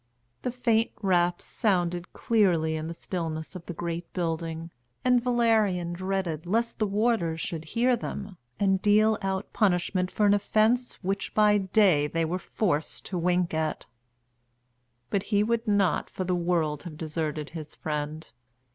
The faint raps sounded clearly in the stillness of the great building, and Valerian dreaded lest the warders should hear them, and deal out punishment for an offence which by day they were forced to wink at. But he would not for the world have deserted his friend.